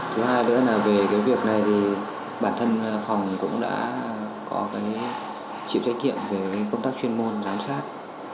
thứ hai nữa là về cái việc này thì bản thân phòng cũng đã có cái chịu trách nhiệm về công tác chuyên môn giám sát